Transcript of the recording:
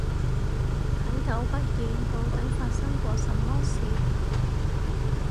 很久不見，到底發生過什麼事